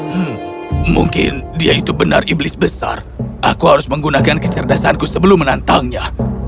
hmm mungkin dia itu benar iblis besar aku harus menggunakan kecerdasanku sebelum menantangnya